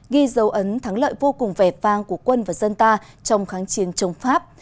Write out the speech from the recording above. ghi dấu ấn thắng lợi vô cùng vẻ vang của quân và dân ta trong kháng chiến chống pháp